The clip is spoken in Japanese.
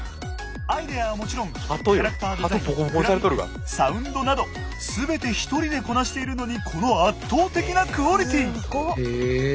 アイデアはもちろんキャラクターデザイングラフィックサウンドなど全て１人でこなしているのにこの圧倒的なクオリティー。